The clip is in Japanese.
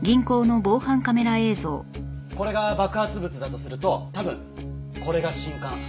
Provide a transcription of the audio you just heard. これが爆発物だとすると多分これが信管。